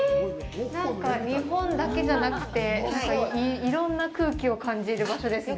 なんか、日本だけじゃなくていろんな空気を感じる場所ですね。